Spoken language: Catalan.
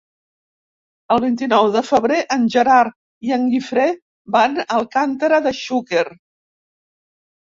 El vint-i-nou de febrer en Gerard i en Guifré van a Alcàntera de Xúquer.